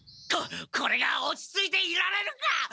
ここれが落ち着いていられるか！